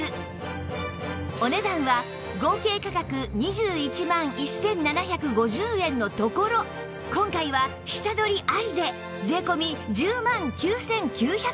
お値段は合計価格２１万１７５０円のところ今回は下取りありで税込１０万９９００円です